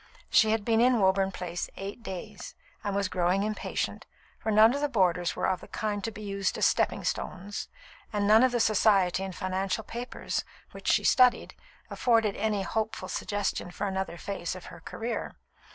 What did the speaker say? She had been in Woburn Place eight days, and was growing impatient, for none of the boarders were of the kind to be used as "stepping stones," and none of the Society and financial papers, which she studied, afforded any hopeful suggestion for another phase of her career.